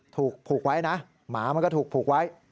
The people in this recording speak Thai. ถูกผูกไว้นะหมามันก็ถูกผูกไว้